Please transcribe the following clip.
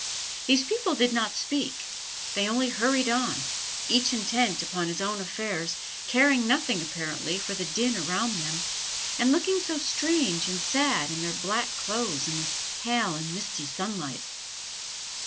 These people did not speak: they only hurried on, each intent upon his own affairs, caring nothing, apparently, for the din around them, and looking so strange and sad in their black clothes in the pale and misty sunlight.